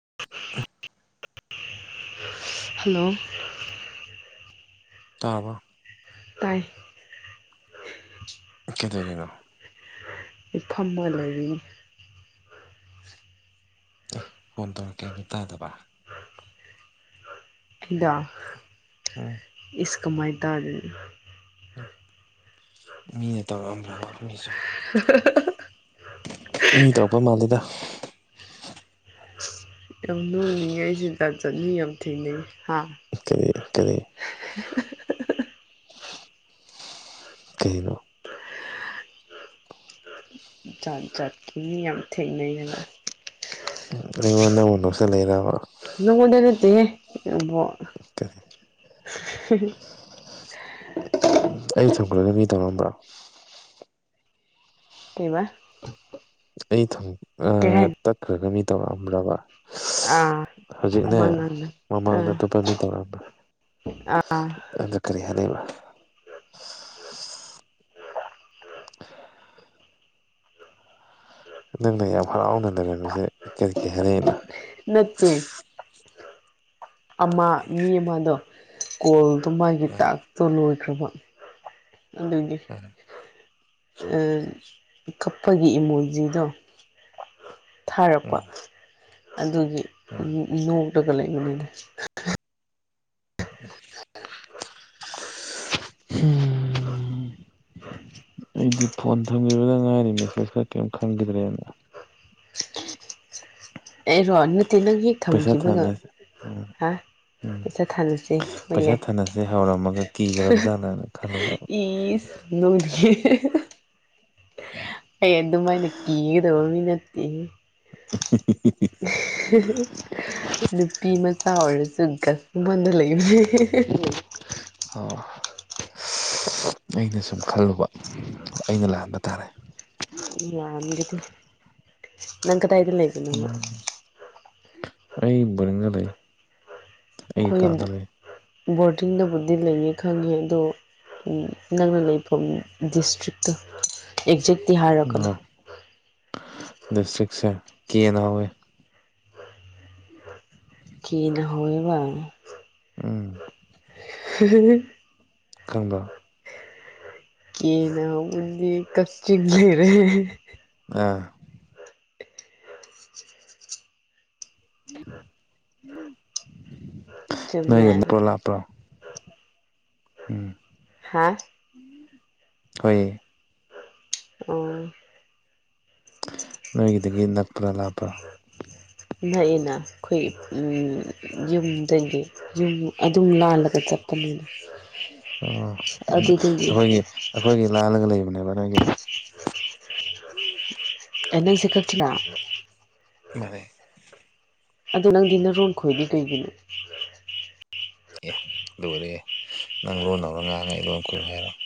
[inaudible] hello ꯇꯥꯕ ꯇꯥꯏ ꯀꯦꯗꯗꯅꯣ ꯏ ꯊꯝꯃ ꯂꯩꯔꯤ ꯑꯦ ꯐꯣꯟ ꯇꯧꯔꯛꯀꯦ ꯑ ꯇꯥꯗꯕ ꯀꯤꯗꯣ ꯎꯝ ꯏꯁ ꯀꯃꯥ ꯇꯥꯔꯤ ꯃꯤꯅ ꯇꯧꯔꯛꯑꯝꯕ꯭ꯔꯕ ꯃꯤꯁꯨ ꯍ ꯍ ꯍ ꯃꯤ ꯇꯧꯔꯛꯄꯩ ꯃꯥꯜꯂꯤꯗ ꯌꯥꯝ ꯂꯣꯡꯅꯤꯡꯉ ꯑꯩꯁꯤꯗ ꯆꯠꯅꯤ ꯌꯥꯝ ꯊꯦꯡꯅꯩ ꯍꯥ ꯀꯔꯤ ꯀꯔꯤ [unintelligible] ꯀꯩꯅꯣ ꯆꯠ ꯆꯠ ꯊ ꯌꯥꯝ ꯊꯦꯡꯅꯅ ꯑꯩꯉꯣꯟ ꯅꯉ ꯅꯣꯛꯁ ꯂꯩꯔꯕ ꯅꯪꯉꯣꯟꯗ ꯅꯠꯇꯦꯍꯦ ꯅꯪꯕꯣ ꯑꯣꯀꯦꯦ [unintelligible] [unintelligible] ꯎꯝ ꯑꯩ ꯊꯝꯈ꯭ꯔꯒ ꯃꯤ ꯇꯧꯔꯛꯑꯝꯕ꯭ꯔꯣ ꯀꯕ ꯑꯩ ꯊ ꯀꯩ ꯍꯥꯏꯅꯣ ꯇꯠꯈ꯭ꯔꯒ ꯃꯤ ꯇꯧꯔꯛꯑꯝꯕ꯭ꯔꯕ ꯑꯥ ꯍꯧꯖꯤꯛꯅꯦ ꯑꯃ ꯉꯥꯡꯅ ꯃꯃꯥꯡꯗ ꯑꯥ ꯑꯇꯣꯞꯄ ꯃꯤ ꯇꯧꯔꯝꯕ꯭ꯔꯥ ꯑꯥ ꯑꯗꯨ ꯀꯔꯤ ꯍꯥꯏꯕ ꯅꯪꯅ ꯌꯥꯝ ꯍꯔꯥꯎꯅ ꯂꯩꯔꯝꯃꯤꯁꯦ ꯀꯔꯤ ꯀꯔꯤ ꯍꯥꯏꯔꯛꯏꯅꯣ ꯅꯠꯇꯦ ꯑꯃ ꯃꯤ ꯑꯃꯗꯣ ꯀꯣꯜꯗꯣ ꯃꯥꯒꯤ ꯇꯥꯛꯇꯣ ꯂꯣꯏꯈ꯭ꯔꯕ ꯑꯗꯨꯗꯤ ꯎꯝ ꯀꯞꯄꯒꯤ ꯏꯃꯣꯖꯤꯗꯣ ꯊꯥꯔꯛꯄ ꯎꯝ ꯑꯗꯨꯒꯤ ꯎꯝ ꯅꯣꯛꯔꯒ ꯂꯩꯕꯅꯤꯗ ꯍꯝ ꯑꯩꯗꯤ ꯐꯣꯟ ꯊꯝꯈꯤꯕꯗ ꯉꯥꯏꯔꯤ ꯃꯦꯁꯦꯖ ꯀ ꯀꯔꯤꯝ ꯈꯪꯈꯤꯗ꯭ꯔꯦꯅ ꯑꯩꯔꯣ ꯅꯠꯇꯦ ꯅꯪ ꯍꯦꯛ ꯄꯩꯁꯥ ꯊꯝꯈꯤꯕꯒ ꯊꯥꯅꯁꯦ ꯍꯥ ꯎꯝ ꯄꯩꯁꯥ ꯊꯥꯅꯁꯤ ꯄꯩꯁꯥ ꯍꯣꯏꯌꯦ ꯊꯥꯅꯁꯦ ꯍꯧꯔꯝꯃꯒ ꯀꯤꯈ꯭ꯔꯕꯖꯥꯠꯂꯅ ꯈꯜꯂꯨꯔꯕ ꯏꯁ ꯏ ꯑꯩ ꯑꯗꯨꯝꯃꯥꯏꯅ ꯀꯤꯒꯗꯕ ꯃꯤ ꯅꯠꯇꯦꯍꯦ ꯎ ꯅꯨꯄꯤ ꯃꯆꯥ ꯑꯣꯏꯔꯁꯨ ꯒꯁꯃꯟꯗ ꯂꯩ ꯑꯣ ꯑꯩꯅ ꯁꯨꯝ ꯈꯜꯂꯨꯕ ꯑꯩꯅ ꯂꯥꯟꯕ ꯇꯥꯔꯦ ꯌꯥꯗꯤ ꯅꯪ ꯀ ꯇ ꯏꯗꯤ ꯂꯩ ꯅꯪ ꯎꯝ ꯑꯩ ꯒ ꯂꯩ ꯑꯩꯒꯤ ꯑꯩꯈꯣꯏꯒꯤ ꯀꯥꯗ ꯂꯩ ꯕꯣꯔꯗꯤꯡꯗꯕꯨꯗꯤ ꯂꯩꯅꯤ ꯈꯪꯉꯦ ꯑꯗꯣ ꯅꯪꯅ ꯂꯩꯐꯝ ꯗꯤꯁꯇ꯭ꯔꯤꯛꯇ ꯑꯦꯛꯖꯦꯤ ꯍꯥꯏꯔꯛꯀꯅꯨ ꯎꯝ ꯗꯤꯁꯇ꯭ꯔꯤꯛꯁꯦ ꯀꯦꯅ ꯍꯧꯋꯤ ꯀꯅ ꯍꯣꯏꯕ ꯎꯝ ꯍꯨꯍꯨ ꯍꯨ ꯈꯪꯕ ꯀꯦꯅ ꯍꯧꯕꯗꯤ ꯀꯛꯆꯤꯡ ꯂꯩꯔꯦ ꯑꯥ ꯆꯨꯝꯃꯦ ꯅꯣꯏꯒ ꯅꯛꯄ꯭ꯔꯣ ꯂꯥꯞꯄ꯭ꯔꯣ ꯍꯥꯥ ꯍ ꯑꯣ ꯅꯣꯏꯒꯤꯗꯒꯤ ꯅꯛꯄ꯭ꯔꯥ ꯂꯥꯞꯄ꯭ꯔꯥ ꯅꯛꯏꯅ ꯑꯩꯈꯣꯏ ꯎꯝ ꯌꯨꯝꯗꯒꯤ ꯨꯝ ꯑꯗꯨꯝ ꯂꯅꯥꯜꯂꯒ ꯆꯠꯄꯅꯤꯅ ꯑꯣ ꯑꯗꯨꯗꯒꯤ ꯑꯗꯨ ꯑꯩꯈꯣꯏꯒꯤ ꯑꯩꯈꯣꯏꯒꯤ ꯂꯥꯜꯂꯒ ꯂꯩꯕꯅꯦꯕ ꯅꯪꯒꯤ ꯑꯦ ꯅꯪꯁꯦ ꯈꯛꯇꯤꯂ ꯃꯥꯅꯦ ꯑꯗꯨ ꯅꯪꯗꯤ ꯅꯔꯣꯟ ꯈꯣꯏꯗꯤ ꯀꯩꯒꯤꯅꯦ ꯑꯦ ꯑꯗꯨ ꯑꯣꯏꯔ ꯑꯦ ꯅꯪ ꯂꯣꯟ ꯂꯧꯧꯔ ꯉꯥꯡꯉ ꯑꯩ ꯂꯣꯟ ꯀꯨꯏꯨ ꯍꯥꯏꯔꯣ [inaudible]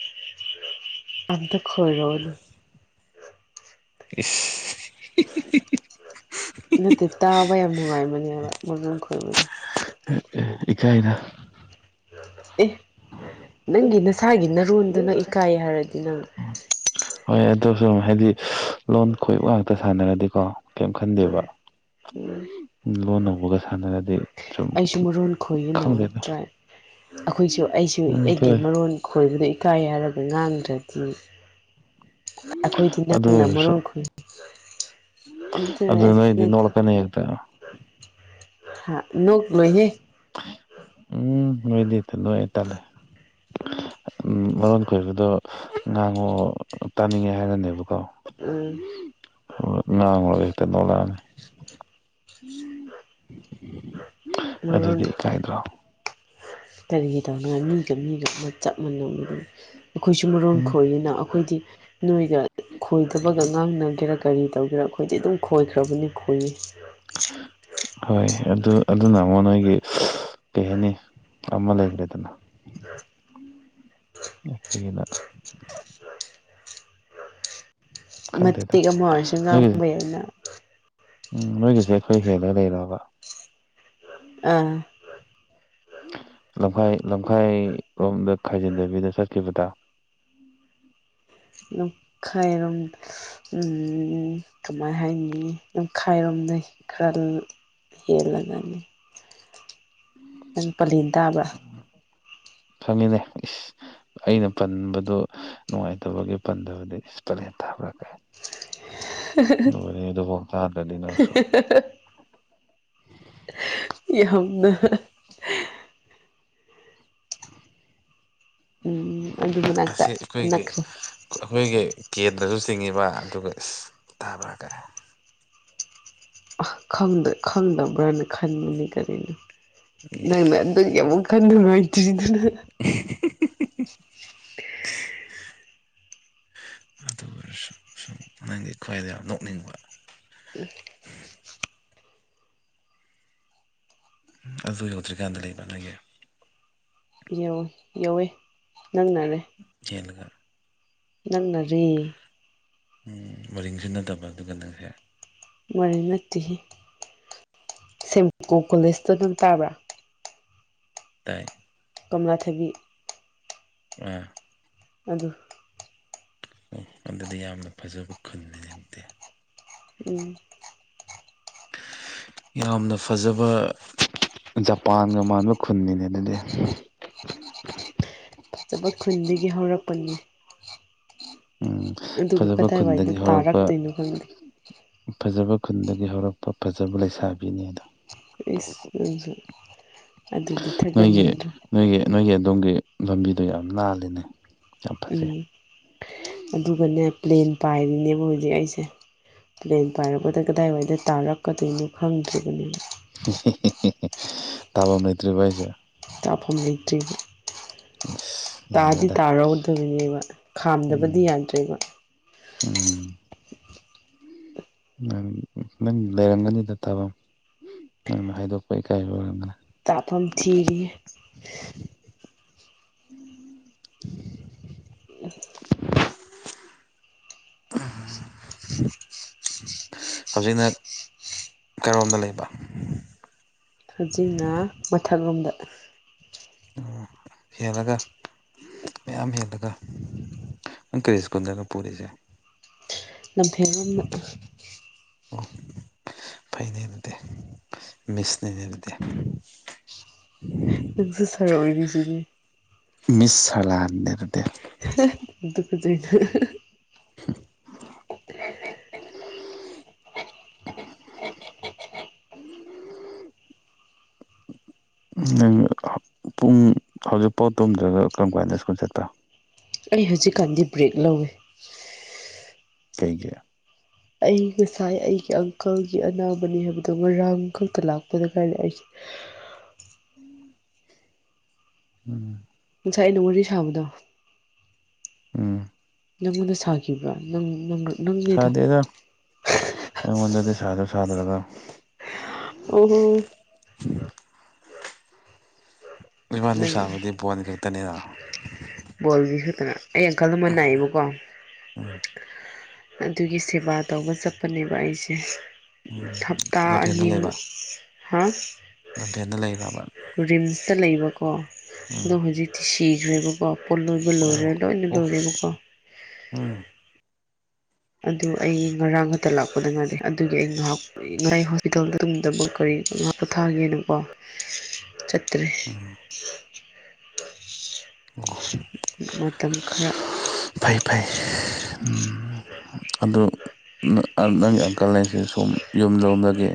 ꯑꯝꯇ ꯈꯣꯏꯔꯣꯅꯦ ꯏꯁ ꯍꯤ ꯍꯤ ꯍꯤ ꯍꯤ ꯅꯠꯇꯦ ꯇꯥꯕ ꯌꯥꯝ ꯅꯨꯡꯉꯥꯏꯕꯅꯦꯕ ꯃꯔꯣꯟ ꯈꯣꯏꯕꯁꯦ ꯏꯀꯥꯏꯗ ꯑꯦ ꯅꯪꯒꯤ ꯅꯁꯥꯒꯤ ꯅꯔꯣꯟꯗꯨ ꯅꯪ ꯏꯀꯥꯏ ꯍꯥꯏꯔꯗꯤ ꯅꯪ ꯍꯣꯏ ꯑꯗꯨꯁꯨ ꯍꯥꯏꯗꯤ ꯂꯣꯟ ꯈꯣꯏꯕ ꯉꯥꯛꯇ ꯁꯥꯟꯅꯔꯗꯤꯀꯣ ꯀꯔꯤꯝ ꯈꯟꯗꯦꯕ ꯂꯣꯟ ꯅꯧꯕꯒ ꯁꯥꯟꯅꯔꯗꯤ ꯁꯨꯝ ꯑꯩꯁꯨ ꯃꯔꯣꯟ ꯈꯣꯏꯅ ꯈꯪꯗꯦꯗ ꯇ꯭ꯔꯥꯏꯞ ꯑꯩꯈꯣꯏꯁꯨ ꯑꯩꯁꯨ ꯎꯝ ꯑꯩꯒꯤ ꯊꯣꯛꯑꯦ ꯃꯔꯣꯟ ꯈꯣꯏꯕꯅ ꯏꯀꯥꯏ ꯍꯥꯢꯔꯒ ꯉꯥꯡꯗ꯭ꯔꯗꯤ ꯑꯩꯈꯣꯏꯗꯤ ꯑꯗꯨ ꯅꯪꯅ ꯑꯣꯏꯔꯁꯨ ꯃꯔꯣꯟ ꯈꯣꯢ ꯑꯗꯨ ꯅꯣꯏꯗꯤ ꯅꯣꯛꯂꯛꯀꯅꯤ ꯍꯦꯛꯇ [inaudible] ꯎꯝ ꯅꯣꯏꯗꯤ ꯐꯠꯂꯣꯏ ꯇꯜꯂꯦ ꯎꯝ ꯃꯔꯣꯟ ꯀꯣꯏꯕꯗꯣ ꯉꯥꯡꯉꯣ ꯇꯥꯅꯤꯡꯉꯦ ꯍꯥꯏꯔꯅꯦꯕꯀꯣ ꯎꯝ ꯉꯥꯡꯉꯨꯔꯒ ꯍꯦꯛꯇ ꯅꯣꯛꯂꯛꯑꯅꯤ ꯃꯔꯣꯟ ꯑꯗꯨꯗꯤ ꯏꯀꯥꯏꯗ꯭ꯔꯣ ꯀꯔꯤꯒꯤ ꯇꯧꯅꯉꯥꯢ ꯃꯤꯒ ꯃꯤꯒ ꯑꯃ ꯆꯞ ꯃꯥꯟꯅꯕꯁꯤꯕꯨ ꯑꯩꯈꯣꯏꯁꯨ ꯃꯔꯣꯟ ꯎꯝ ꯈꯣꯏꯅ ꯑꯩꯈꯣꯏꯗꯤ ꯅꯣꯏꯒ ꯈꯣꯏꯗꯕꯒ ꯉꯥꯡꯅꯒꯦꯔꯥ ꯀꯔꯤ ꯇꯧꯒꯦꯔꯥ ꯑꯩꯈꯣꯏꯗꯤ ꯑꯗꯨꯝ ꯈꯣꯏꯈ꯭ꯔꯕꯅꯤ ꯈꯣꯏꯌꯦ [inaudible] ꯍꯣꯏ ꯑꯗꯨ ꯑꯗꯨꯅ ꯑꯃꯨꯛ ꯅꯣꯏꯒꯤ ꯀꯩ ꯍꯥꯏꯅꯤ ꯑꯃ ꯂꯩꯈ꯭ꯔꯦꯗꯅ ꯑꯩꯈꯣꯏꯅ ꯈꯪꯗꯦꯗ ꯃꯇꯦꯛ ꯑꯃ ꯑꯣꯏꯔꯁꯨ ꯅꯣꯏꯒꯤꯁꯦ ꯉꯥꯡꯕ ꯌꯥꯢꯅ ꯎꯝ ꯅꯣꯏꯒꯤꯁꯦ ꯑꯩꯈꯣꯏ ꯍꯦꯜꯂ ꯂꯩꯔꯕ ꯑꯥ ꯂꯝꯈꯥꯏ ꯂꯝꯈꯥꯏꯔꯣꯝꯗ ꯈꯥꯏꯖꯤꯟꯗꯕꯤꯗ ꯆꯠꯈꯤꯕꯗ ꯂꯥꯝꯈꯥꯢꯔꯣꯝꯗ ꯎꯝ ꯀꯃꯥꯏ ꯍꯥꯏꯅꯤ ꯂꯥꯝꯈꯥꯏꯔꯣꯝꯗꯩ ꯈꯔ ꯍꯦꯂꯒꯅꯤ ꯅꯪ ꯄꯥꯂꯦꯟ ꯇꯥꯕꯔꯥ ꯈꯪꯉꯤꯅꯦ ꯑꯩꯅ ꯄꯟꯕꯗꯨ ꯅꯨꯡꯉꯥꯏꯇꯕꯒꯤ ꯄꯟꯗꯕꯅꯤ ꯏꯁ ꯄ꯭ꯂꯦꯟ ꯇꯥꯕꯔꯥ ꯒꯥꯢꯅ ꯂꫭꯏꯔ‌ꯦ ꯑꯗꯨꯐꯥ‌ꯎ ꯇꯥꯗꯔꯗꯤ ꯅꯪꯁꯨ [inaudible] ꯌꯥꯝꯅ ꯎꯝ ꯑꯗꯨ ꯃꯅꯥꯛꯇ ꯑꯁꯤ ꯑꯩꯈꯣꯏꯒꯤ ꯅꯛꯈ꯭ꯔꯦ ꯑꯩꯈꯣꯏꯒꯤ ꯀꯦꯟꯇꯁꯨ ꯆꯤꯡꯉꯤꯕ ꯑꯗꯨꯒ ꯇꯥꯕ꯭ꯔꯥꯒ ꯈꯪꯗꯕ꯭ꯔꯅ ꯈꯟꯕꯅꯤ ꯀꯔꯤꯅꯣ ꯅꯪꯅ ꯏꯁ ꯑꯗꯨꯒꯤ ꯑꯃꯨꯛ ꯋꯥꯈꯥꯜ ꯅꯨꯡꯉꯥꯏꯗꯤꯗꯨꯅ [inaudible] [unintelligible] ꯑꯗꯨ ꯑꯣꯏꯔꯁꯨ ꯁꯨꯝ ꯅꯪꯒꯤ ꯈꯨꯍꯥꯢꯗꯣ ꯌꯥꯝ ꯅꯣꯛꯅꯤꯡꯕ ꯑꯗꯨ ꯌꯧꯗ꯭ꯔꯤꯀꯥꯟꯗ ꯂꯩꯕ ꯅꯣꯏꯒꯤ ꯌꯧꯋꯦ ꯌꯧꯋꯦ ꯅꯪꯅꯔꯦ ꯌꯦꯅꯒꯔ [inaudible] ꯅꯪꯅꯔꯤ ꯃꯔꯤꯡꯁꯨ ꯅꯠꯇꯕ ꯑꯗꯨꯒ ꯅꯪꯁꯦ ꯃꯔꯤꯡ ꯅꯠꯇꯦ ꯁꯀꯣ ꯀꯣꯂꯦꯖꯇꯣ ꯑꯗꯨ ꯇꯥꯕ꯭ꯔꯥ ꯇꯥꯏ ꯀꯝꯂꯥ ꯊꯕꯤ ꯑ ꯑꯗꯨ ꯑꯦ ꯑꯗꯨꯗꯤ ꯌꯥꯝꯅ ꯐꯖꯕ ꯈꯨꯜꯅꯤ ꯑꯗꯤ ꯎꯝ ꯌꯥꯝꯅ ꯐꯖꯕ ꯖꯄꯥꯟꯒ ꯃꯥꯟꯕ ꯈꯨꯟꯅꯤꯅꯦ ꯑꯗꯨꯗꯤ ꯐꯖꯕ ꯈꯨꯟꯗꯒꯤ ꯍꯧꯔꯛꯄꯅꯤ ꯎꯝ ꯑꯗꯨꯒ ꯐꯖꯕ ꯀꯗꯥꯏꯋꯥꯏꯗ ꯈꯨꯟꯗꯒꯤ ꯍꯧꯔꯛꯄ ꯇꯥꯔꯛꯇꯣꯏꯅꯣ ꯈꯪꯗꯦ ꯐꯖꯕ ꯈꯨꯟꯗꯒꯤ ꯍꯧꯔꯛꯄ ꯐꯖꯕ ꯂꯩꯁꯥꯕꯤꯅꯤ ꯑꯗꯣ ꯏꯁ ꯑꯗꯨꯁꯨ ꯑꯗꯨꯗꯤ ꯅꯣꯏꯒꯤ ꯊꯥꯒꯠꯃꯟꯗ꯭ꯔꯦ ꯅꯣꯏꯒꯤ ꯅꯣꯏꯒꯤ ꯑꯗꯣꯝꯒꯤ ꯂꯝꯕꯤꯗꯣ ꯌꯥꯝ ꯂꯅꯥꯜꯂꯤꯅꯦ ꯎꯝ ꯑꯗꯨꯒꯅꯦ ꯄ꯭ꯂꯦꯟ ꯄꯥꯏꯔꯤꯅꯦꯕ ꯍꯧꯖꯤꯛ ꯑꯩꯁꯦ ꯄ꯭ꯂꯦꯟ ꯄꯥꯏꯔꯛꯄꯗ ꯀꯗꯥꯏꯋꯥꯏꯗ ꯇꯥꯔꯛꯀꯗꯣꯏꯅꯣ ꯈꯪꯗ꯭ꯔꯤꯕꯅꯦꯕ ꯍꯦ ꯍꯦ ꯍꯦ ꯇꯥꯕꯝ ꯂꯩꯇ꯭ꯔꯤꯕ ꯑꯩꯁꯦ ꯀꯥꯐꯝ ꯂꯩꯇ꯭ꯔꯤꯕ ꯏꯁ ꯇꯥꯗꯤ ꯌꯥꯔꯦꯗ ꯇꯥꯔꯧꯗꯣꯏꯅꯦꯕ ꯈꯥꯝꯗꯕꯗꯤ ꯎꯝ ꯌꯥꯗ꯭ꯔꯦꯕ ꯎꯝ ꯅꯪ ꯅꯪ ꯂꯩꯔꯝꯒꯅꯤꯗ ꯊꯕ ꯅꯪꯅ ꯍꯥꯏꯗꯣꯛꯄ ꯏꯀꯥꯏ ꯑꯣꯏꯔꯝꯒꯅꯤ ꯇꯥꯐꯝ ꯊꯤꯔꯤ ꯎꯝ ꯍꯧꯖꯤꯛꯅ ꯀꯔꯣꯝꯗ ꯂꯩꯕ ꯍꯧꯖꯤꯛꯅ ꯃꯊꯛꯂꯣꯝꯗ ꯑꯣ ꯍꯦꯜꯂꯒ ꯃꯌꯥꯝ ꯍꯦꯜꯂꯒ ꯏꯪꯀꯔꯦꯖꯀꯨꯟꯂꯒ ꯄꯨꯔꯤꯁꯦ ꯂꯝ ꯐꯌꯥꯝꯅ ꯑꯣ ꯐꯅꯦ ꯑꯗꯨꯗꯦ ꯃꯤꯁꯅꯦꯅꯦ ꯑꯗꯨꯗꯦ ꯅꯪꯁꯨ ꯁꯥꯔ ꯑꯣꯏꯔꯤꯁꯤꯗꯤ ꯃꯤꯁ ꯁꯂꯥꯥꯟꯗꯦꯔꯗꯦ ꯗꯨ ꯈꯨꯨꯗꯅ ꯅꯪ ꯄꯨꯡ ꯍꯧꯖꯤꯛꯐꯥꯎ ꯇꯨꯝꯗ꯭ꯔꯒ ꯀꯔꯝ ꯀꯥꯟꯗ ꯁ꯭ꯀꯨꯜ ꯆꯠꯄ ꯑꯩ ꯍꯧꯖꯤꯛꯀꯥꯟꯗꯤ ꯕ꯭ꯔꯦꯛ ꯂꯧꯋꯦ ꯀꯩꯒꯤ ꯑꯩ ꯉꯁꯥꯏ ꯑꯩꯒꯤ ꯑꯪꯀꯜꯒꯤ ꯑꯅꯥꯕꯅꯤ ꯍꯥꯏꯕꯗꯣ ꯉꯔꯥꯡ ꯈꯛꯇ ꯂꯥꯛꯄꯗ ꯀꯥꯔ ꯑꯩ [inaudible] ꯎꯝ ꯉꯁꯥꯏ ꯑꯩꯅ ꯋꯥꯔꯤ ꯁꯥꯕꯗꯣ ꯎꯝ ꯅꯪꯉꯣꯟꯗ ꯁꯥꯈꯤꯕ꯭ꯔꯥ ꯅꯪ ꯅꯪ ꯅꯪꯅꯤꯗ ꯁꯥꯗꯦꯗ ꯑꯩꯉꯣꯟꯗꯗꯤ ꯁꯥꯗ꯭ꯔ ꯁꯥꯗ꯭ꯔꯒ [unintelligible] ꯏꯕꯥꯅꯤ ꯅꯪ ꯁꯥꯕꯗꯤ ꯕꯣꯟ ꯈꯛꯇꯅꯤꯅ ꯕꯣꯜꯒꯤ ꯈꯛꯇꯅ ꯑꯩ ꯑꯪꯈꯜ ꯑꯃ ꯅꯥꯏꯌꯦꯕꯀꯣ ꯎꯝ ꯑꯗꯨꯒꯤ ꯁꯦꯕꯥ ꯇꯧꯕ ꯆꯠꯄꯅꯦꯕ ꯑꯩꯁꯦ ꯎꯝ ꯍꯞꯇꯥ ꯂꯝꯐꯦꯟꯗ ꯂꯩꯕ ꯑꯅꯤꯃꯨꯛ ꯍꯥ ꯂꯝꯐꯦꯟꯗ ꯂꯩꯔꯕ ꯔꯤꯝꯁꯇ ꯂꯩꯕꯀꯣ ꯎꯝ ꯑꯗꯣ ꯍꯧꯖꯤꯛꯇꯤ ꯁꯤꯈ꯭ꯔꯦꯕ ꯄꯨꯂꯣꯏꯕ ꯑꯣ ꯂꯣꯏꯔꯦ ꯂꯣꯏꯅ ꯑꯣ ꯂꯣꯏꯔꯦꯕꯀꯣ ꯎꯝ ꯑꯗꯨ ꯑꯩ ꯉꯔꯥꯡ ꯈꯛꯇ ꯂꯥꯛꯄꯗ ꯉꯗꯦ ꯑꯗꯨꯒꯤ ꯑꯩ ꯉꯥꯏꯍꯥꯛ ꯍꯣꯁꯄꯤꯇꯥꯜꯗ ꯇꯗꯕ ꯀꯔꯤ ꯄꯣꯊꯥꯒꯦꯅꯀꯣ [inaudible] ꯆꯠꯇꯔꯤ ꯎꯝ ꯃꯇꯝ ꯈꯔ ꯐꯩ ꯐꯩ ꯎꯝ ꯑꯗꫭ ꯅꯪꯒꯤ ꯑꯪꯀꯜ ꯍꯥꯏꯁꯦ ꯁꫭꯝ ꯌꯨꯝꯂꫭꯝꯗꯒꯤ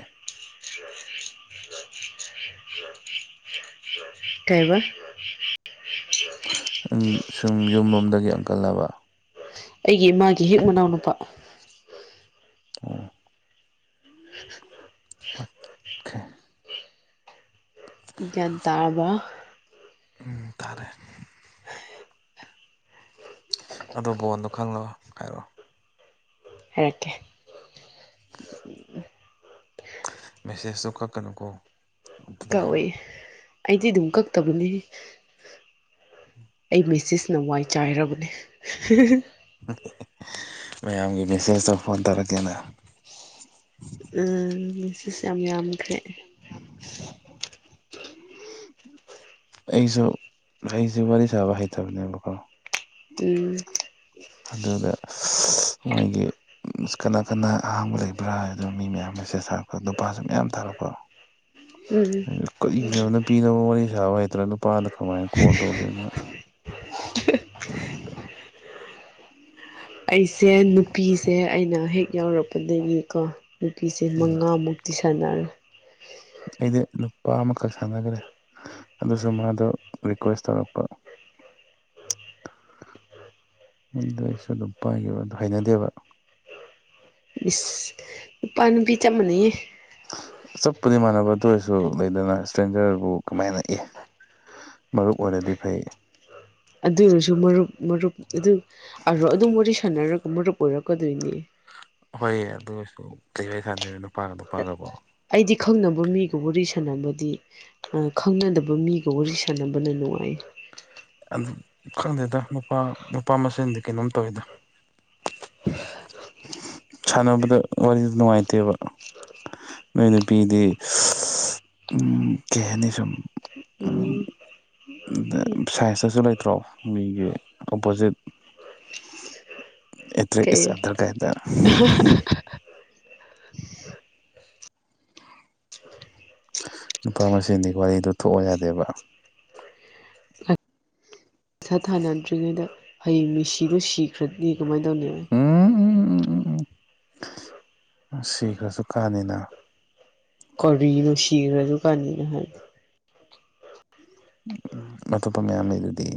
[inaudible] [inaudible] ꯀꯩꯕ [unintelligible] ꯎꯝ ꯁꯨꯝ ꯌꯨꯝꯂꯣꯝꯗꯒꯤ ꯑꯪꯀꯜꯂꯕ ꯑꯩꯒꯤ ꯏꯃꯥꯒꯤ ꯍꯦꯛ ꯃꯅꯥꯎ ꯅꯨꯨꯄꯥ ꯑꫭ [unintelligible] ꯒꯤꯌꯟ ꯇꯥꯔꯕ ꯎꯝ ꯇꯥꯔꯦ ꯑꯗꫭ ꯕꯣꯟꯗꯣ ꯈꯪꯂꯣ ꯍꯥꯏꯔꯛꯑꯣ ꯍꯏꯔꯛꯀꯦ ꯃꯦꯁꯦꯁꯇꯣ ꯀꯛꯀꯅꯨꯀꯣ ꯑꯝꯇꯗ ꯀꯛꯑꫭꯏ ꯍꯥꯏꯔꯛꯑꯣ ꯑꯩꯗꯤ ꯑꯗꯨꯝ ꯀꯛꯇꯕꯅꯤ ꯑꯩ ꯃꯦꯁꯦꯁꯅ ꯋꯥꯏ ꯆꯥꯏꯔꯕꯅꯦ ꯃꯌꯥꯝꯒꯤ ꯃꯦꯁꯦꯖꯇꫭ ꯐꯣꯟ ꯇꯧꯔꯛꯀꯦꯅ ꯎꯝ ꯃꯦꯁꯦꯍ ꯌꯥꯝ ꯌꯥꯝꯈ꯭ꯔꯦ [inaudible] ꯑꯩꯁꯨ ꯑꯩꯁꯨ ꯋꯥꯔꯤ ꯁꯥꯕ ꯍꯩꯇꯕꯅꯦꯕꯀꯣ ꯎꯝ ꯑꯗꯨꯗ ꯃꯣꯏꯒꯤ ꯃꯤꯁ ꯀꯅꯥ ꯀꯅꯥ ꯑꯍꯥꯡꯕ ꯂꯩꯕ꯭ꯔꯥ ꯍꯥꯏ ꯑꯗꯨ ꯃꯤ ꯃꯌꯥꯝ ꯃꯦꯁꯦꯁ ꯊꯥꯔꯛꯄꯗꫭ ꯅꯨꯄꯥꯁꯨ ꯃꯌꯥꯝ ꯊꯥꯔꯛꯄ꯭ꯔꯣ [inaudible] ꯎꯝ ꯀꯩꯒꯤꯅꫭ ꯅꯨꯄꯤꯗꯥꯕꯎ ꯋꯥꯔꯤ ꯁꯥꯕ ꯍꯩꯇ꯭ꯔ ꯅꯨꯄꯥꯗ ꯀꯃꯥꯏꯅ ꯀꯣꯜ ꯇꯧꯗꯣꯏꯅꯣ ꯑꯩꯁꯦ ꯅꯨꯄꯤꯁꯦ ꯑꯩꯅ ꯍꯦꯛ ꯌꯥꯎꯔꯛꯄꯗꯒꯤꯀꯣ ꯅꯨꯄꯤꯁꯦ ꯃꯉꯥꯃꯨꯛꯇꯤ ꯁꯥꯟꯅꯔꯦ ꯑꯩꯗꯤ ꯅꯨꯄꯥ ꯑꯃꯈꯛ ꯁꯥꯟꯅꯈꯒ꯭ꯔꯦ ꯑꯗꯨꯁꯨ ꯃꯥꯗꯣ ꯔꯤꯀ꯭ꯋꯦꯁ ꯇꯧꯔꯛꯄ ꯑꯗꯨ ꯑꯩꯁꯨ ꯅꯨꯄꯥꯒꯤ ꯋꯥꯗꫭ ꯍꯩꯅꯗꯦꯕ ꯏꯁ ꯅꯨꯄꯥ ꯅꯨꯄꯤ ꯆꯞ ꯃꯥꯟꯅꯩꯌꯦ ꯆꯞꯄꯨꯗꯤ ꯃꯥꯟꯅꯕ ꯑꯗꯨ ꯑꯣꯏꯔꯁꯨ ꯂꯩꯗꯅ ꯏꯁꯇ꯭ꯔꯦꯟꯖꯔꯕꯨ ꯀꯃꯥꯏꯅ ꯏꯏ ꯃꯔꯨꯞ ꯑꯣꯏꯔꯗꯤ ꯐꯩ ꯑꯗꯨꯑꫭꯏꯁꯨ ꯃꯔꯨꯞ ꯃꯔꯨꯞ ꯑꯗꯨ ꯑꯔꯣ ꯑꯗꯨꯝ ꯋꯥꯔꯤ ꯁꯥꯟꯅꯔꯒ ꯃꯔꯨꯞ ꯑꯣꯏꯔꯛꯀꯗꯣꯏꯅꯦ ꯍꯣꯏ ꯑꯗꯨ ꯑꯣꯏꯁꯨ ꯀꯩ ꯋꯥꯔꯤ ꯁꯥꯟꯅꯗꫭꯏꯅꫭ ꯅꯨꯄꯥꯒ ꯅꯨꯄꯥꯒꯕꯣ ꯑꯩꯗꯤ ꯈꯪꯅꯕ ꯃꯤꯒ ꯋꯥꯔꯤ ꯁꯥꯟꯅꯕꯗꯤ ꯈꯪꯅꯗꯕ ꯃꯤꯒ ꯋꯥꯔꯤ ꯁꯥꯟꯅꯕꯅ ꯅꯨꯡꯉꯥꯏꯌꯦ ꯑꯗꯨ ꯈꯪꯗꯦꯗ ꯅꯨꯄꯥ ꯅꯨꯄꯥ ꯃꯁꯦꯟꯗꯤ ꯀꯩꯅꯣꯝ ꯇꯧꯋꯤꯗ ꯁꯥꯟꯅꯕꯗ ꯋꯥꯔꯤꯗꯨ ꯅꯨꯡꯉꯥꯏꯇꯦꯕ ꯅꯣꯏ ꯅꯨꯄꯤꯗꯤ ꯎꯝ ꯀꯩꯍꯥꯅꯤ ꯁꯨꯝ ꯎꯝ [unintelligible] ꯁꯥꯏꯟꯁꯇꯁꯨ ꯂꯩꯇ꯭ꯔꯣ ꯃꯤꯒꯤ ꯑꯣꯄꯣꯖꯤꯠ ꯑꯦꯇꯔꯦꯛ ꯀꯩ ꯏꯁ ꯑꯗꯔ ꯀꯥꯏꯅ ꯅꯨꯄꯥ ꯃꯁꯦꯟꯗꯤ ꯋꯥꯔꯤꯗꯨ ꯊꯣꯛꯑꯣ ꯌꯥꯗꯦꯕ ꯄꯩꯁꯥ ꯊꯥꯅꯗ꯭ꯔꯤꯉꯩꯗ ꯍꯌꯦꯡ ꯃꯤꯁꯤꯗꯨ ꯁꯤꯈ꯭ꯔꯅꯤ ꯀꯃꯥꯏꯅ ꯇꯧꯅꯤ ꯎꯝ ꯎꯝ ꯎꯝ ꯎꯝ ꯎꯝ ꯁꯤ ꯈꯔꯁꯨ ꯀꯥꯟꯅꯤꯅ ꯀꯧꯔꯤꯔꯣ ꯁꯤꯒꯔꯥꯖꯨ ꯀꯥꯟꯅꯤꯅ ꯍꯥꯏꯗꯣ ꯑꯇꯣꯞꯄ ꯃꯌꯥꯝ ꯂꯩꯗꯨꯗꯤ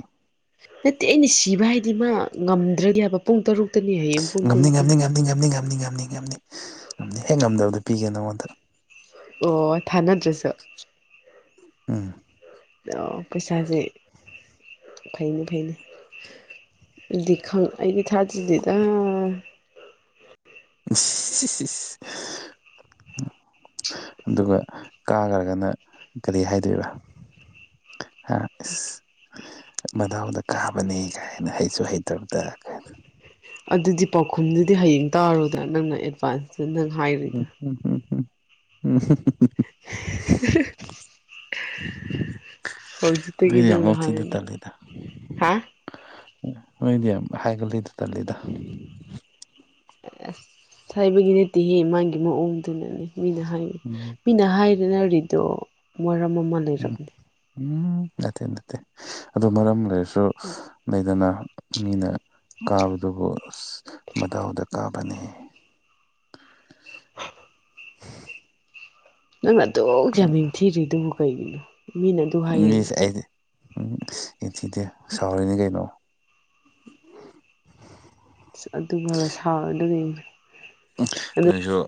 ꯅꯠꯇꯦ ꯑꯩꯅ ꯁꯤꯕ ꯍꯥꯏꯗꯤ ꯃꯥ ꯉꯝꯗ꯭ꯔꯗꯗꯤ ꯍꯥꯏꯕ ꯄꯨꯡ ꯇꯔꯨꯛꯇꯅꯤ ꯍꯥꯌꯦꯡ ꯉꯝꯅꯤ ꯉꯝꯅꯤ ꯉꯝꯅꯤ ꯉꯝꯅꯤ ꯉꯝꯅꯤ ꯉꯝꯅꯤ ꯉꯝꯅꯤ ꯉꯝꯅꯤ ꯍꯦꯛ ꯉꯝꯗꯕꯗ ꯄꯤꯒꯦ ꯅꯉꯣꯟꯗ ꯑꯣ ꯊꯥꯅꯗ꯭ꯔꯁꯨ ꯎꯝ ꯑꯣ ꯄꯩꯁꯥꯁꯦ ꯐꯩꯅꯤ ꯐꯩꯅꯤ ꯂꯤꯗꯤ ꯈꯪ ꯑꯩꯒꯤ ꯊꯥꯖꯗꯤꯗ [unintelligible] ꯑꯗꯨꯒ ꯀꯥꯒ꯭ꯔꯥꯒꯅ ꯀꯔꯤ ꯍꯥꯏꯗꯣꯏꯕ [unintelligible] ꯃꯗꯥꯎꯗ ꯀꯥꯕꯅꯤ ꯀꯥꯏꯅ ꯍꯩꯁꯨ ꯍꯩꯇꯕꯗꯥ ꯑꯗꯨꯗꯤ ꯄꯥꯎꯈꯨꯝꯗꯨꯗꯤ ꯍꯌꯦꯡ ꯇꯥꯔꯣꯗꯅ ꯅꯪꯅ ꯑꯦꯗꯚꯥꯟꯁꯇ ꯅꯪ [unintelligible] ꯍꯥꯏꯔꯤꯗꯣ ꯍꯧꯖꯤꯛꯇꯒꯤ ꯃꯗꯤ ꯅꯪꯅ ꯑꯝꯕꯥꯎ ꯊꯤꯗ ꯍꯥꯏꯔꯤꯅ ꯇꯥꯗꯦꯗ ꯍꯥ ꯑꯣꯏꯗꯤ ꯌꯥꯝ ꯍꯥꯏꯒꯜꯂꯤ ꯇꯜꯂꯤꯗ ꯑꯁ ꯊꯣꯏꯕꯒꯤ ꯅꯠꯇꯦꯍꯦ ꯃꯥꯒꯤ ꯃꯑꯣꯡꯗꯨꯅꯅꯦ ꯃꯤꯅ ꯍꯥꯏꯌꯦ ꯎꯝ ꯃꯤꯅ ꯍꯥꯏꯔꯤꯅꯔꯤꯗꯣ ꯃꯔꯝ ꯑꯃ ꯎꯝ ꯂꯩꯔꯕꯅꯦ ꯎꯝ ꯅꯠꯇꯦ ꯅꯠꯇꯦ ꯑꯗꯨ ꯃꯔꯝ ꯂꯩꯔꯁꯨ ꯂꯩꯗꯅ ꯃꯤꯅ ꯀꯥꯕꯗꯨꯕꯨ ꯑꯁ ꯃꯗꯥꯎꯗ ꯀꯥꯕꯅꯤ ꯅꯪꯅ ꯑꯗꯨꯛ ꯌꯥꯝꯅ ꯌꯦꯡꯊꯤꯔꯨꯏꯗꯨꯕꯨ ꯀꯩꯒꯤꯅꯣ ꯃꯤꯅ ꯑꯗꯨ ꯍꯥꯏꯌꯦꯅ ꯃꯤꯁꯦ ꯑꯩꯗꯤ ꯎꯝ ꯌꯦꯡꯊꯤꯗꯦ ꯁꯥꯎꯔꯤꯅꯤ ꯀꯩꯅꯣ ꯑꯗꯨꯐꯥꯎꯒ ꯁꯥꯥꯎꯔꯗꯨ ꯂꯩ ꯅꯣꯏꯁꯨ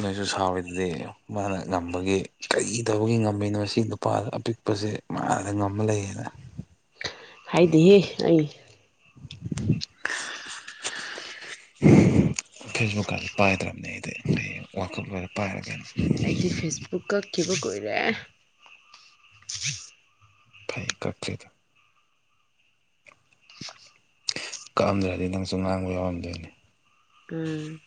ꯅꯣꯏꯁꯨ ꯁꯥꯎꯔꯤꯗꯨꯗꯤ ꯃꯥꯅ ꯉꯝꯕꯒꯤ ꯀꯔꯤ ꯇꯧꯕꯒꯤ ꯉꯝꯃꯤꯅꯣ ꯁꯤ ꯅꯨꯄꯥ ꯑꯄꯤꯛ ꯄꯥꯁꯦ ꯃꯥꯗ ꯉꯝꯃ ꯂꯩꯌꯦꯅ ꯍꯥꯏꯗꯤꯍꯦ ꯑꯩ ꯐꯦꯁꯕꯨꯛꯀꯥꯁꯦ ꯄꯥꯏꯗ꯭ꯔꯕꯅꯦ ꯑꯩꯗꯤ ꯍꯌꯦꯡ ꯋꯥꯀꯞ ꯂꯣꯏꯔ ꯄꯥꯏꯔꯒꯦꯅ ꯑꯩꯗꯤ ꯐꯦꯁꯕꯨꯛ ꯀꯛꯈꯤꯕ ꯀꯨꯏꯔꯦ ꯐꯩ ꯀꯛ꯭ꯇꯔꯤꯗꯣ ꯀꯛꯑꯝꯗ꯭ꯔꯗꯤ ꯅꯪꯁꯨ ꯉꯥꯡꯕ ꯌꯥꯎꯔꯝꯗꯣꯏꯅꯤ ꯎꯝ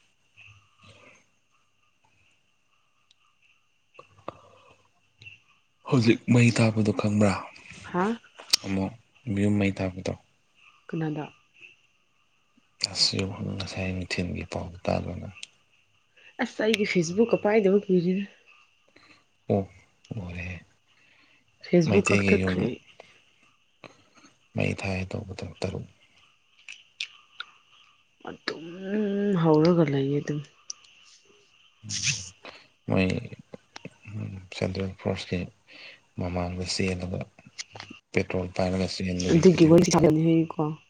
ꯍꯧꯖꯤꯛ ꯃꯩ ꯊꯥꯕꯗꯣ ꯈꯪꯕ꯭ꯔꯥ ꯍꯥ ꯑꯃꯨꯛ ꯃꯌꯨꯝ ꯃꯩ ꯊꯥꯕꯗꯣ ꯀꯅꯥꯗ ꯑꯁ ꯉꯁꯥꯏ ꯅꯨꯡꯊꯤꯜꯒꯤ ꯄꯥꯎ ꯇꯥꯗ꯭ꯔꯣ ꯅꯪ ꯑꯁ ꯑꯩꯗꯤ ꯐꯦꯁꯕꯨꯛꯀꯥ ꯄꯥꯏꯗꯕ ꯀꯨꯏꯔꯦꯗ [unintelligible] ꯐꯦꯁꯕꯨꯛ ꯃꯩꯇꯩꯒꯤ ꯌꯨꯝ ꯀꯛꯊꯠꯈ꯭ꯔꯦ ꯃꯩ ꯊꯥꯏ ꯇꯧꯕꯗꯨ ꯇꯔꯨꯛ ꯑꯗꯨꯝ ꯍꯧꯔꯒ ꯂꯩꯌꯦ ꯑꯗꯨꯝ ꯃꯣꯏ ꯁꯦꯟꯇ꯭ꯔꯦꯜ ꯐꯣꯔꯁꯀꯤ ꯃꯃꯥꯡꯗ ꯆꯦꯜꯂꯨꯕ ꯄꯦꯇ꯭ꯔꯣꯜ ꯄꯥꯏꯔꯒ ꯆꯦꯟꯕꯒꯤ ꯑꯗꯨꯒꯤ ꯚꯤꯗꯤꯌꯣ ꯋꯥꯔꯤ ꯊꯥꯒꯠꯂꯦ [unintelligible]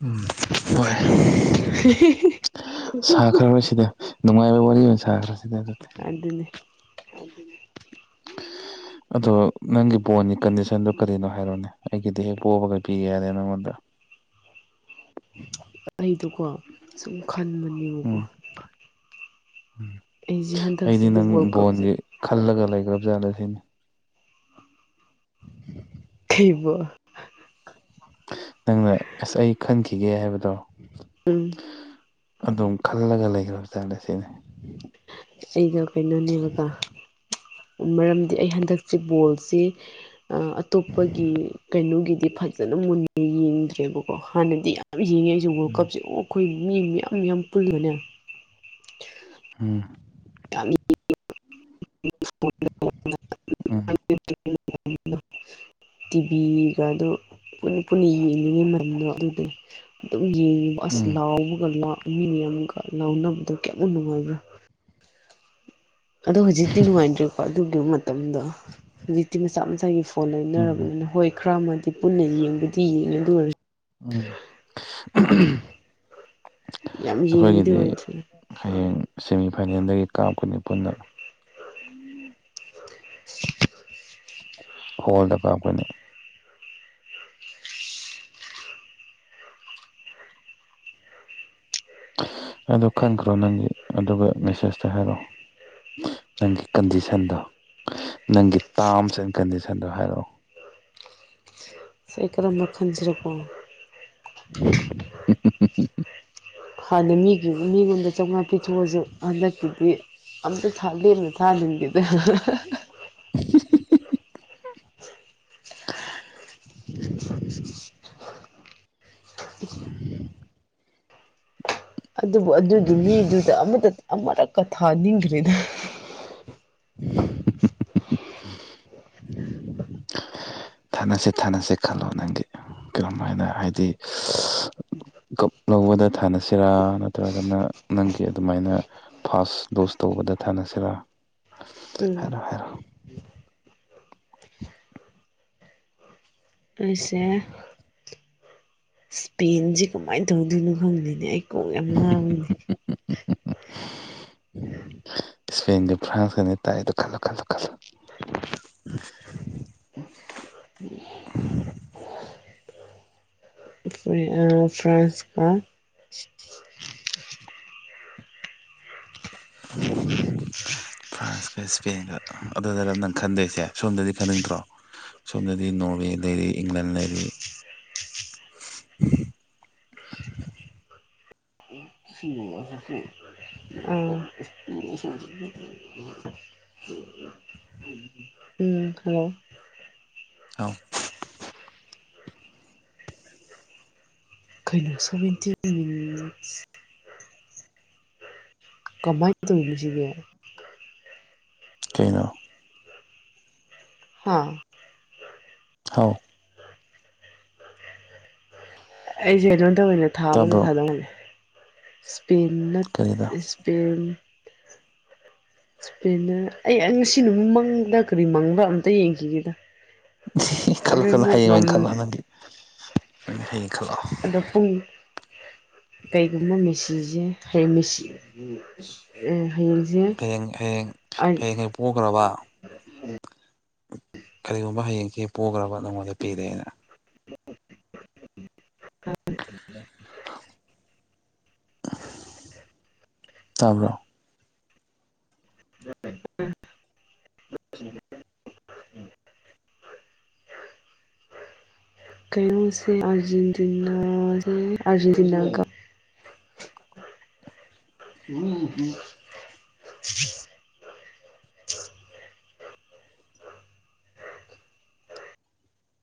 ꯎꯝ ꯍꯣꯏ [inaudible] ꯁꯥꯈ꯭ꯔꯕ ꯁꯤꯗ ꯅꯨꯡꯉꯥꯏꯕ ꯋꯥꯔꯤ ꯑꯣꯏꯅ ꯁꯥꯈ꯭ꯔꯁꯤꯗ ꯑꯗꯨ ꯑꯗꯨꯅꯦ ꯑꯗꯨ ꯑꯗꯣ ꯅꯪꯒꯤ ꯕꯣꯟꯒꯤ ꯀꯟꯗꯤꯁꯟꯗꯨꯣ ꯀꯔꯤꯅꯣ ꯍꯥꯏꯔꯣꯅꯦ ꯑꯩꯒꯤꯗꯤ ꯍꯦꯛ ꯄꯣꯕꯒ ꯄꯤꯒꯦ ꯌꯥꯗꯦ ꯅꯉꯣꯟꯗ [unintelligible] ꯃꯤꯗꯣꯀꯣ ꯁꯨꯝ ꯈꯟꯕꯅꯦꯕꯀꯣ ꯎꯝ ꯑꯩꯁꯦ ꯑꯩꯗꯤ ꯍꯟꯗꯛꯁꯤꯗꯤ ꯅꯪ ꯋꯥꯔꯜ ꯀꯞꯁꯦ ꯕꯣꯟꯒꯤ ꯈꯜꯂꯒ ꯂꯩꯈ꯭ꯔꯕꯖꯥꯠꯅ ꯁꯤꯅꯤ ꯏꯕꯨ ꯅꯪꯅ ꯑꯁ ꯑꯩ ꯈꯟꯈꯤꯒꯦ ꯍꯥꯏꯕꯗꯣ ꯎꯝ ꯑꯗꯨꯝ ꯈꯜꯂꯒ ꯂꯩꯈ꯭ꯔꯕ ꯇꯥꯔꯦ ꯁꯤꯅꯦ ꯑꯩꯒ ꯀꯩꯅꯣꯅꯦꯕꯀ ꯃꯔꯝꯗꯤ ꯑꯩ ꯍꯟꯗꯛꯁꯦ ꯕꯣꯜꯁꯦ ꯑꯇꯣꯞꯄꯒꯤ ꯀꯩꯅꯣꯒꯤꯗꯤ ꯐꯖꯅ ꯃꯨꯟꯅ ꯌꯦꯡꯗ꯭ꯔꯦꯕꯀꯣ ꯍꯥꯟꯅꯗꯤ ꯌꯥꯝ ꯌꯦꯡꯉꯦ ꯍꯧ ꯋꯥꯔꯜ ꯎꯝ ꯀꯞꯁꯦ ꯑꯣ ꯑꯩꯈꯣꯏ ꯃꯤ ꯃꯌꯥꯝ ꯌꯥꯝ ꯄꯨꯜꯂꯤꯒꯅꯦ ꯎꯝ [unintelligible] ꯎꯝ [unintelligible] ꯇꯤꯚꯤꯒꯗ ꯄꯨꯟꯅ ꯄꯨꯟꯅ ꯌꯦꯡꯂꯤꯤꯉꯩ ꯃꯔꯝꯗꯣ ꯑꯗꯨꯗꯅꯦ ꯑꯗꯨꯝ ꯌꯦꯡꯉꯤꯕ ꯑꯁ ꯎꯝ ꯂꯥꯎꯕꯒ ꯃꯤꯅꯦ ꯑꯃꯒ ꯂꯥꯎꯅꯕꯗꯣ ꯀꯌꯥꯝꯃꯨꯛ ꯅꯨꯡꯉꯥꯏꯕ꯭ꯔꯥ ꯑꯗꯣ ꯍꯧꯖꯤꯛꯇꯤ ꯅꯨꯡꯉꯥꯏꯇ꯭ꯔꯦꯀꯣ ꯑꯗꯨꯒꯤ ꯃꯇꯝꯗꯣ ꯍꯧꯖꯤꯛꯇꯤ ꯃꯆꯥ ꯃꯆꯥꯒꯤ ꯐꯣꯟ ꯎꯝ ꯂꯩꯅꯔꯕꯅꯤꯅ ꯍꯣꯏ ꯈꯔ ꯑꯃꯗꯤ ꯄꯨꯟꯅ ꯌꯦꯡꯕꯗꯤ ꯌꯦꯡꯉ ꯂ ꯑꯣꯏꯔ ꯎꯝ ꯌꯥꯝ ꯌꯦꯡꯕꯗꯤ ꯑꯩꯈꯣꯏꯒꯤꯗꯤ ꯑꯣꯏꯗ꯭ꯔꯦ ꯍꯌꯦꯡ ꯁꯦꯃꯤꯐꯥꯏꯅꯦꯜꯗꯒꯤ ꯀꯥꯞꯀꯅꯤ ꯄꯨꯟꯅ [unintelligible] ꯍꯣꯜꯗꯒ ꯑꯩꯈꯣꯏꯅ ꯑꯗ ꯈꯟꯈ꯭ꯔꯣ ꯅꯪꯗꯤ ꯑꯗꯨꯒ ꯃꯦꯁꯦꯖꯇ ꯍꯥꯏꯔꯛꯑꯣ ꯅꯪꯒꯤ ꯀꯟꯗꯤꯁꯟꯗ ꯅꯪꯒꯤ ꯇꯥꯔꯝꯁ ꯑꯦꯟ ꯀꯟꯗꯤꯁꯟꯗꯣ ꯍꯥꯏꯔꯛꯑꯣ ꯁꯦꯀ꯭ꯔꯝꯕ ꯈꯟꯖꯔꯀꯣ ꯎꯝ ꯁꯦ ꯁꯦꯠꯇ ꯍꯥꯟꯅ ꯃꯤꯒꯤ ꯃꯤꯉꯣꯝꯗ ꯆꯥꯝꯃꯉꯥ ꯄꯤꯊꯣꯛꯑꯁꯨ ꯍꯟꯗꯛꯀꯤꯨꯗꯤ ꯑꯝꯇ ꯊꯜꯗꯅꯦ ꯊꯗꯤꯦꯗ [unintelligible] [unintelligible] ꯎ ꯑꯗꯨꯕꯨ ꯑꯗꯨꯗꯤ ꯃꯤꯗꯨꯗ ꯑꯃꯗ ꯑꯃꯨꯔꯛꯀ ꯊꯥꯅꯤꯡꯈ꯭ꯔꯦꯗ [unintelligible] ꯊꯥꯅꯁꯦ ꯊꯥꯅꯁꯦ ꯈꯜꯂꯣ ꯅꯪꯒꯤ ꯀꯔꯝ ꯍꯥꯏꯅ ꯍꯥꯏꯗꯤ ꯀꯞ ꯂꯧꯕꯗ ꯊꯥꯅꯁꯤꯔꯥ ꯅꯠꯇ꯭ꯔꯒꯅ ꯅꯪꯒꯤ ꯑꯗꯨꯃꯥꯏꯅ ꯐꯥꯁ ꯗꯣꯁ ꯇꯧꯕꯗ ꯊꯥꯅꯁꯤꯔꯥ ꯎꯝ ꯍꯥꯏꯔꯣ ꯍꯥꯏꯔꯣ ꯑꯁꯦ ꯏꯁꯄꯦꯟꯁꯦ ꯀꯃꯥꯏꯅ ꯇꯧꯗꯣꯏꯅꯣ ꯈꯪꯗꯦꯅꯦ ꯑꯩ ꯀꯣꯡ ꯌꯥꯝ ꯉꯥꯡꯕꯅꯦ ꯎꯝ ꯎꯝ ꯎꯝ ꯏꯁꯄꯦꯟꯒ ꯐ꯭ꯔꯥꯟꯁꯀꯅꯤ ꯇꯥꯏꯗꯣ ꯈꯜꯂ ꯈꯜꯂ ꯈꯜꯂ ꯐ꯭ꯔꯥꯟꯁꯀꯥ [unintelligible] [unintelligible] ꯐ꯭ꯔꯥꯟꯁꯀ ꯏꯁꯄꯦꯟꯒ ꯑꯗꯨꯗꯅ ꯅꯪ ꯈꯟꯗꯣꯏꯁꯦ ꯁꯣꯝꯗꯗꯤ ꯈꯟꯅꯤꯡꯗ꯭ꯔꯣ ꯁꯣꯝꯗꯤ ꯅꯣꯔꯋꯦ ꯂꯩꯔꯤ ꯏꯪꯂꯦꯟ ꯂꯩꯔꯤ [unintelligible] [unintelligible] ꯑꯥꯎ [unintelligible] [unintelligible] ꯀꯃꯥꯏꯅ ꯇꯧꯁꯤꯒꯦ ꯆꯩꯅꯣ ꯍꯥ ꯍꯥꯎ ꯑꯩꯁꯦ ꯑꯩꯉꯣꯟꯗ ꯑꯣꯏꯅ ꯊꯥꯕꯅ ꯇꯥꯕ꯭ꯔꯣ ꯐꯥꯗꯧꯅꯦ ꯏꯁꯄꯦ ꯀꯔꯤꯗ ꯏꯁꯄꯦꯟ ꯁꯄꯦꯅ ꯑꯩ ꯉꯁꯤ ꯅꯨꯃꯤꯠ ꯃꯪꯗ ꯀꯔꯤ ꯃꯪꯕ꯭ꯔꯥ ꯑꯝꯇ ꯌꯦꯡꯈꯤꯒꯦꯗ ꯈꯥꯂ ꯍꯣꯔꯦꯟ ꯈꯅ ꯑꯃꯨꯛ ꯍꯌꯦ ꯃꯥꯟ ꯉꯝ ꯈꯥꯅ ꯍꯟꯒꯦ ꯍꯌꯦꯡ ꯈꯜꯂꯣ [unintelligible] ꯍꯌꯦꯁꯦ ꯑ ꯑꯣꯈ꯭ꯔꯕ ꯀꯔꯤꯒꯨꯝꯕ ꯍꯌꯦꯡꯁ ꯄꯈ꯭ꯔꯕ ꯅꯪꯉꯣꯟꯗ ꯄꯤꯔꯦꯅ ꯇꯥꯕ꯭ꯔꯣ [inaudible] ꯀꯩꯅꯣꯁꯦ ꯑꯔꯖꯦꯟꯇꯤꯅꯥꯁꯦ ꯑꯔꯖꯦꯟꯇꯤꯅꯥ ꯀ ꯎꯝ